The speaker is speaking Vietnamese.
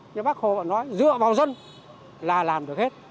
như bác hồ nói dựa vào dân là làm được hết